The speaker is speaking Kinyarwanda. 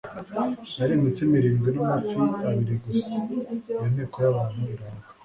yari imitsima irindwi n'amafi abiri gusa. Iyo nteko y'abantu irahaga,